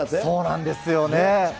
そうなんですよね。